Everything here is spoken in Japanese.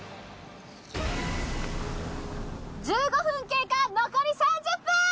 １５分経過残り３０分！